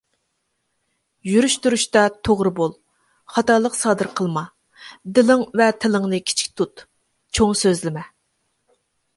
يۈرۈش تۇرۇشتا توغرا بول، خاتالىق سادىر قىلما. دىلىڭ ۋە تىلىڭنى كىچىك تۇت، چوڭ سۆزلىمە.